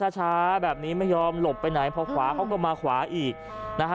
ช้าแบบนี้ไม่ยอมหลบไปไหนพอขวาเขาก็มาขวาอีกนะฮะ